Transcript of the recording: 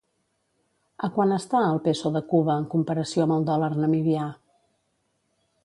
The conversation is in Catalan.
A quant està el peso de Cuba en comparació amb el dòlar namibià?